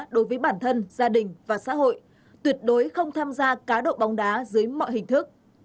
đối với bản thân gia đình và xã hội tuyệt đối không tham gia cá độ bóng đá dưới mọi hình thức